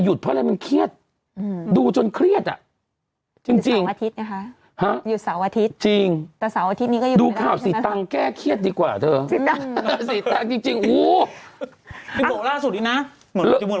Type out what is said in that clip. อืมอ่าสินะสินค่ะจริงจริงอู้วเดี๋ยวบอกล่าวสุดทีนะเหมือน